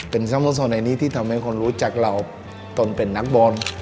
เป็นสโมสรในนี้ที่ทำให้คนรู้จักเราตนเป็นนักบอล